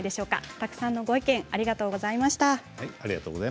たくさんのご意見ありがとうございました。